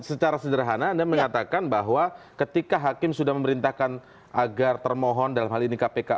jadi secara sederhana anda mengatakan bahwa ketika hakim sudah memerintahkan agar termohon dalam hal ini kpk